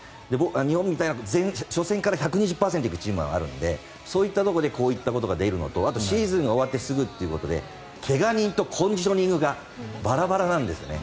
日本みたいに初戦から１２０％行くチームもあるのでそういったところでこういったことが出るのとシーズンが終わってすぐということで怪我人とコンディショニングがバラバラなんですよね。